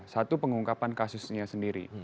satu pengungkapan kasusnya sendiri